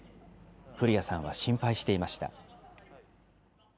古屋さんは心配していました。